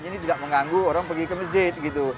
ini tidak mengganggu orang pergi ke masjid gitu